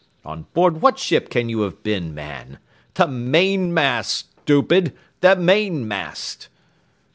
On board what ship can you have been, man? The mainmast, stupid, the mainmast!"